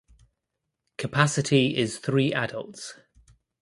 Capacity is three adults.